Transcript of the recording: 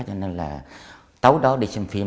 cho nên là tối đó đi xem phim